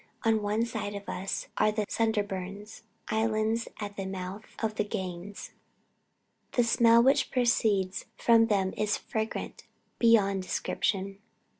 On one side of us are the Sunderbunds, (islands at the mouth of the Ganges.) The smell which proceeds from them is fragrant beyond description.